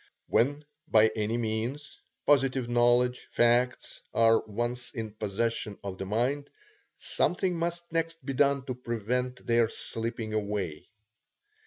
When by any means, positive knowledge, facts, are once in possession of the mind, something must next be done to prevent their slipping away.